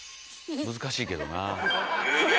難しいけどなあ。